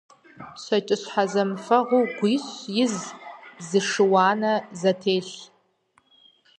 ЩэкӀыщхьэ зэмыфэгъуу гуищ из, зы шы – уанэ зэтелъ!